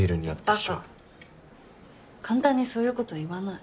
簡単にそういうこと言わない。